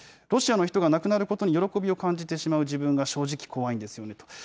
ロシアの人が亡くなることに喜びを感じてしまう自分が正直、怖いんですよねと。